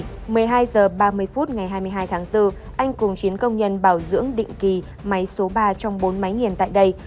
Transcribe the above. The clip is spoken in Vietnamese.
hồi một mươi hai h ba mươi phút ngày hai mươi hai tháng bốn anh cùng chín công nhân bảo dưỡng định kỳ máy số ba trong bốn máy nghiền tại đây